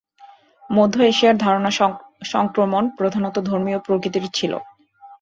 মধ্য এশিয়ার ধারণা সংক্রমণ প্রধানত ধর্মীয় প্রকৃতির ছিল।